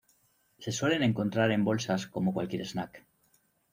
Se suelen encontrar en bolsas como cualquier snack.